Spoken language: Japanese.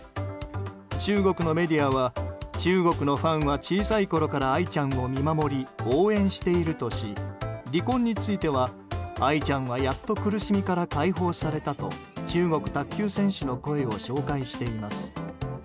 中国のメディアは中国のファンは小さいころから愛ちゃんを見守り応援しているとし離婚については愛ちゃんは、やっと苦しみから解放されたと、中国卓球選手の声を紹介しています。